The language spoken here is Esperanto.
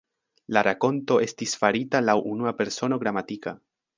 La rakonto estas farita laŭ unua persono gramatika.